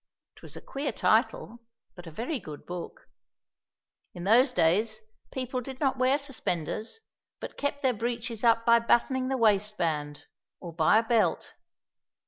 It was a queer title, but a very good book. In those days people did not wear suspenders, but kept their breeches up by buttoning the waistband, or by a belt.